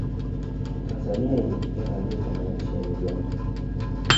tanzania ilipigana vita na nchi ya uganda